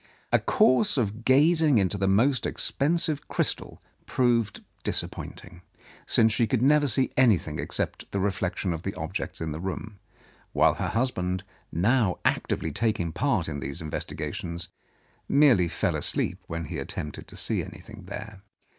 A course of gazing into the most expensive crystal proved disappointing, since she could never see anything except the reflection of the objects in the room, while her husband, now actively taking part in these investigations, merely fell asleep when he attempted to see anything there.